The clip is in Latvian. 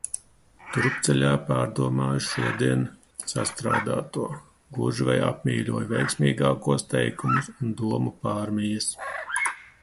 Turpceļā pārdomāju šodien sastrādāto, gluži vai apmīļoju veiksmīgākos teikumus un domu pārmijas.